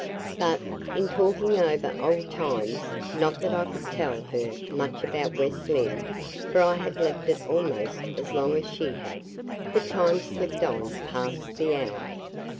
But, in talking over old times not that I could tell her much about West Lynne, for I had left it almost as long as she had the time slipped on past the hour.